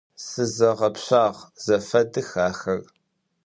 Сызэгъэпшагъ, зэфэдых ахэр!